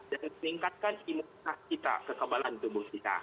dan meningkatkan imunitas kita kekebalan tubuh kita